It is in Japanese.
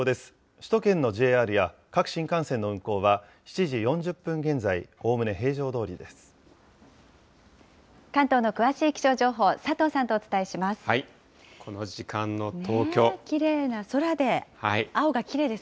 首都圏のＪＲや各新幹線の運行は、７時４０分現在、おおむね平常どおりです。